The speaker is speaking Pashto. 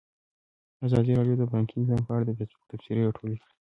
ازادي راډیو د بانکي نظام په اړه د فیسبوک تبصرې راټولې کړي.